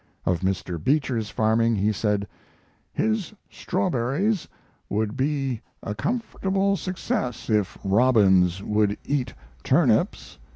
Of Mr. Beecher's farming he said: "His strawberries would be a comfortable success if robins would eat turnips."